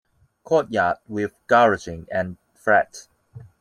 Courtyard with Garaging and Flat.